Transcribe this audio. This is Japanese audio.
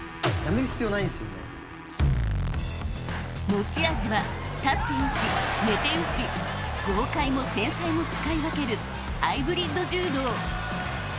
持ち味は立ってよし寝てよし豪快も繊細も使い分けるハイブリッド柔道。